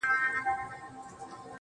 د خيالورو په پلو کي يې ډبرې راوړې~